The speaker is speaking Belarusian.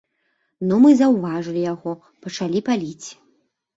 Ну, мы заўважылі яго, пачалі паліць.